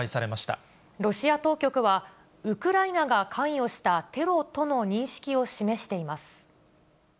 ロシア当局は、ウクライナが関与したテロとの認識を示しています。